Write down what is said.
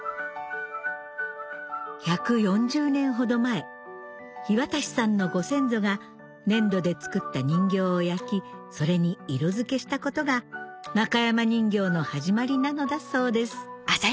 １４０年ほど前樋渡さんのご先祖が粘土で作った人形を焼きそれに色付けしたことが中山人形の始まりなのだそうです